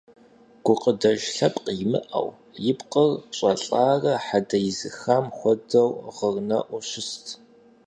Гукъыдэж лъэпкъ имыӀэу, и пкъыр щӀэлӀарэ хьэдэ изыхам хуэдэу гъырнэӀуу щыст.